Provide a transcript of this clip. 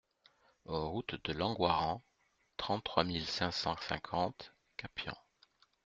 Route de Langoiran, trente-trois mille cinq cent cinquante Capian